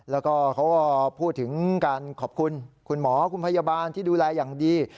แล้วก็เขาก็พูดถึงการขอบคุณคุณหมอคุณพยาบาลที่ดูแลอย่างดี